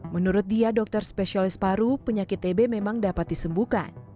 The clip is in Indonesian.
menurut dia dokter spesialis paru penyakit tb memang dapat disembuhkan